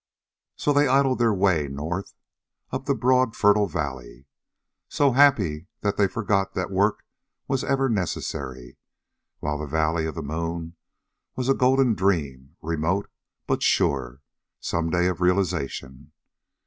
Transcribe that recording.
So they idled their way north up the broad, fertile valley, so happy that they forgot that work was ever necessary, while the valley of the moon was a golden dream, remote, but sure, some day of realization.